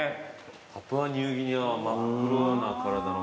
パプアニューギニア真っ黒な体の。